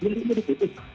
biar ini diketik